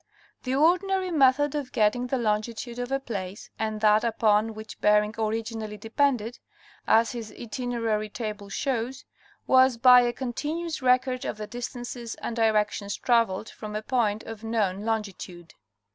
The ordinary method of getting the longitude of a place, and that upon which Bering originally depended, as his itinerary table shows, was by a continuous record of the distances and directions traveled from a point of known longitude.